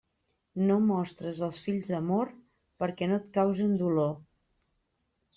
No mostres als fills amor perquè no et causen dolor.